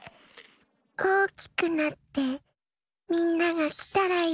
おおきくなってみんながきたらいいな。